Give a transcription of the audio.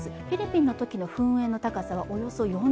フィリピンの時の噴煙の高さはおよそ４０ｋｍ